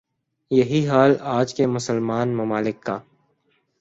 یہی حال آج کے مسلمان ممالک کا